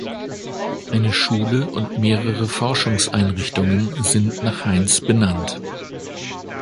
Eine Schule und mehrere Forschungseinrichtungen sind nach Heinz benannt.